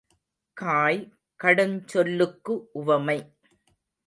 காய், கடுஞ் சொல்லுக்கு உவமை.